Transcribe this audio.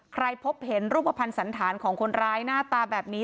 พบเห็นรูปภัณฑ์สันธารของคนร้ายหน้าตาแบบนี้